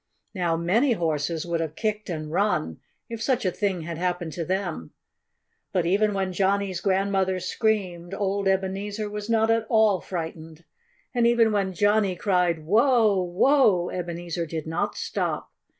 Now, many horses would have kicked and run, if such a thing had happened to them. But even when Johnnie's grandmother screamed, old Ebenezer was not at all frightened. And even when Johnnie cried "Whoa! whoa!" Ebenezer did not stop.